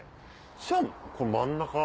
じゃあこの真ん中。